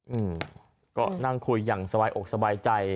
อืมก็นั่งคุยอย่างสบายอกสบายใจ